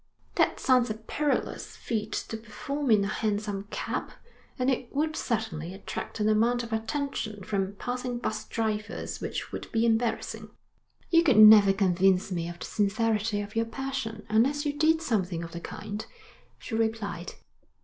'That sounds a perilous feat to perform in a hansom cab, and it would certainly attract an amount of attention from passing bus drivers which would be embarrassing.' 'You could never convince me of the sincerity of your passion unless you did something of the kind,' she replied.